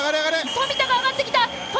富田があがってきた！